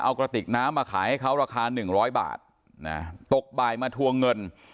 เอากระติกน้ำมาขายให้เขาราคา๑๐๐บาทนะตกบ่ายมาทวงเงิน